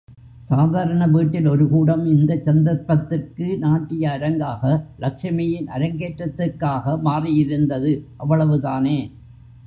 சாதாரண வீட்டில் ஒரு கூடம் இந்தச் சந்தர்ப்பத்துக்கு நாட்டிய அரங்காக, லக்ஷ்மியின் அரங்கேற்றத்துக்காக மாறியிருந்தது அவ்வளவுதானே!